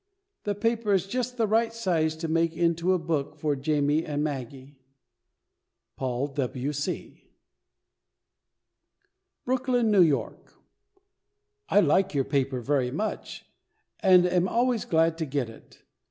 The paper is just the right size to make into a book for Jamie and Maggie. PAUL W. C. BROOKLYN, NEW YORK. I like your paper very much, and am always glad to get it.